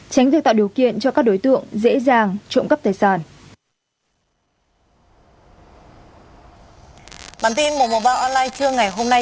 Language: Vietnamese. tránh việc tạo điều kiện cho các đối tượng dễ dàng trộm cắp tài sản